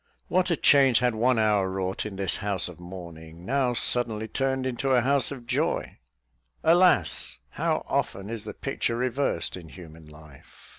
What a change had one hour wrought in this house of mourning, now suddenly turned into a house of joy! Alas! how often is the picture reversed in human life!